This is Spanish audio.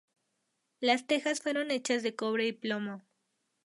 Las tejas fueron hechas de cobre y plomo.